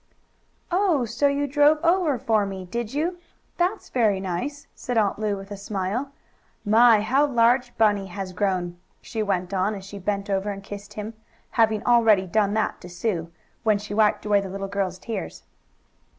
"Oh, so you drove over for me; did you? That's very nice," said Aunt Lu with a smile. "My! How large Bunny has grown!" she went on, as she bent over and kissed him, having already done that to Sue, when she wiped away the little girl's tears.